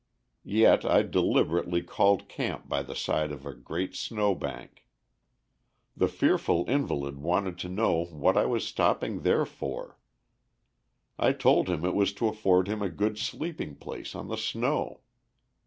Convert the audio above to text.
Yet I deliberately called camp by the side of a great snowbank. The fearful invalid wanted to know what I was stopping there for. I told him it was to afford him a good sleeping place on the snow.